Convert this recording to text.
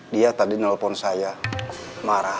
dia tadi nelfon saya marah